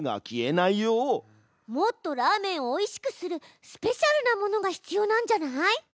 もっとラーメンをおいしくするスペシャルなものが必要なんじゃない？